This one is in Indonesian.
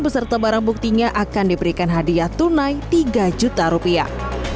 beserta barang buktinya akan diberikan hadiah tunai tiga juta rupiah